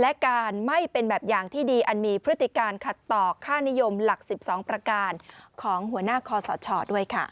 และการไม่เป็นแบบอย่างที่ดีอันมีพฤติการขัดต่อค่านิยมหลัก๑๒ประการของหัวหน้าคอสชด้วยค่ะ